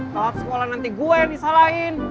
kalau sekolah nanti gue yang disalahin